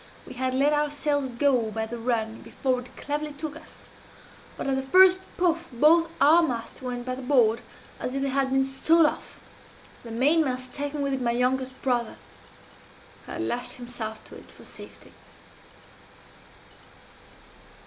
We had let our sails go by the run before it cleverly took us; but, at the first puff, both our masts went by the board as if they had been sawed off the mainmast taking with it my youngest brother, who had lashed himself to it for safety.